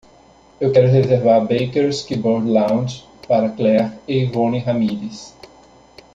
Eu quero reservar Baker's Keyboard Lounge para clare e yvonne ramirez.